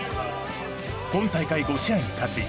今大会５試合に勝ち